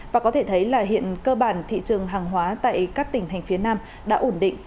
và có thể thấy là hiện cơ bản thị trường hàng hóa tại các tỉnh thành phía nam đã ổn định